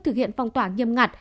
thực hiện phong toán nghiêm ngặt